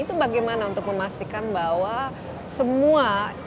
itu bagaimana untuk memastikan bahwa semua